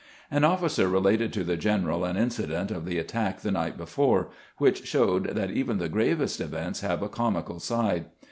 An officer related to the general an incident of the attack the night before, which showed that even the gravest events have a comical side.